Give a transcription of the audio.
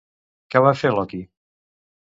Què va fer Loki?